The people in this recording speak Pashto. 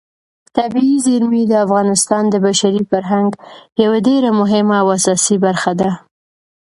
طبیعي زیرمې د افغانستان د بشري فرهنګ یوه ډېره مهمه او اساسي برخه ده.